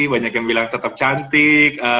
banyak yang bilang tetap cantik